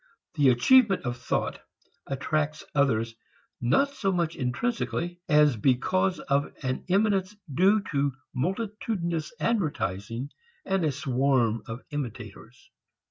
The achievement of thought attracts others not so much intrinsically as because of an eminence due to multitudinous advertising and a swarm of imitators.